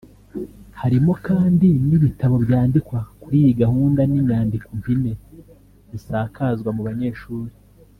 Harimo kandi n’ibitabo byandikwa kuri iyi gahunda n’inyandiko mpine zisakazwa mu banyeshuri